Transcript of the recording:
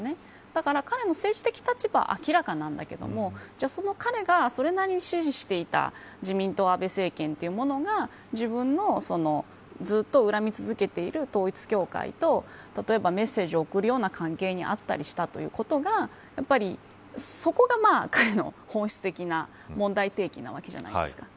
だから彼の政治的立場は明らかなんだけどその彼がそれなりに示唆していた自民党安倍政権というものが自分のずっと恨み続けている統一教会と例えばメッセージを送るような関係にあったりしたということがそこが彼の本質的な問題提起なわけじゃないですか。